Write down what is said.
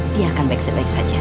dia akan baik baik saja